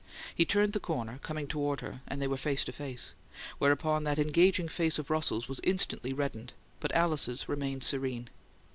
He turned the corner, coming toward her, and they were face to face; whereupon that engaging face of Russell's was instantly reddened, but Alice's remained serene.